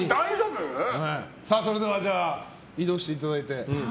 それでは移動していただいて。